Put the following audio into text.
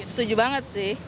setuju banget sih